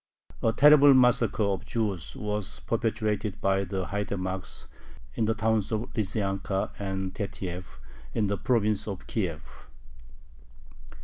A terrible massacre of Jews was perpetrated by the haidamacks in the towns of Lysyanka and Tetyev, in the province of Kiev.